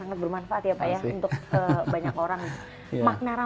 sangat bermanfaat ya pak ya untuk banyak orang